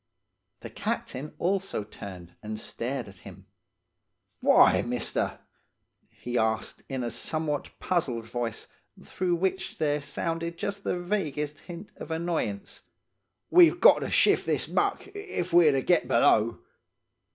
The captain also turned and stared at him. "'Why, mister?' he asked, in a somewhat puzzled voice, through which there sounded just the vaguest hint of annoyance. 'We've got to shift this muck, if we're to get below.